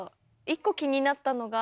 一個気になったのが。